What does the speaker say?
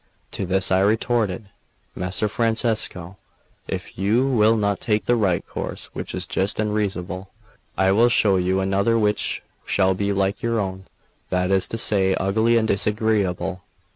To this I retorted: "Messer Francesco, if you will not take the right course which is just and reasonable, I will show you another which shall be like your own, that is to say, ugly and disagreeable.